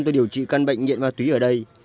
tôi điều trị căn bệnh nhiện ma túy ở đây